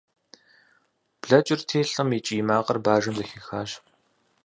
Блэкӏырти, лӏым и кӏий макъыр бажэм зэхихащ.